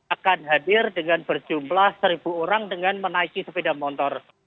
akan hadir dengan berjumlah seribu orang dengan menaiki sepeda motor